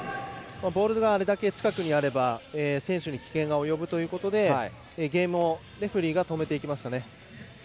ボールがあれだけ近くにあれば選手に危険が及ぶということでゲームをレフェリーが止めていきましたね。